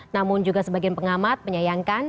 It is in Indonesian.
namun juga sebagian pengamat menyayangkan